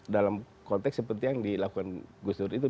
dalam konteks seperti yang dilakukan gus dur itu